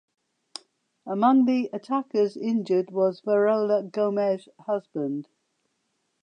Among the attackers injured was Varela Gomes’ husband.